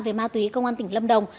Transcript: về ma túy công an tỉnh lâm đồng